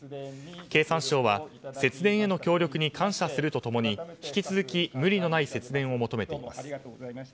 経産省は節電への協力に感謝すると共に引き続き無理のない節電を求めています。